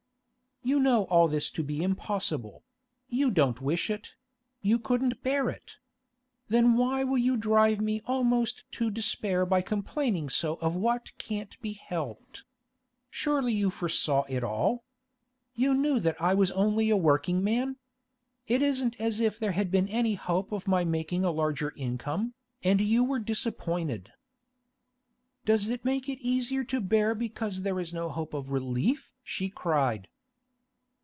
'You know all this to be impossible; you don't wish it; you couldn't bear it. Then why will you drive me almost to despair by complaining so of what can't be helped? Surely you foresaw it all. You knew that I was only a working man. It isn't as if there had been any hope of my making a larger income, and you were disappointed.' 'Does it make it easier to bear because there is no hope of relief?' she cried.